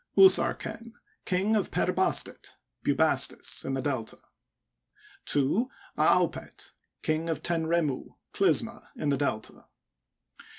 Usarken, King of Per Bastet (Bubastis), in the Delta. 2. Aaupety King of Tenremu (Clysma), in the Delta.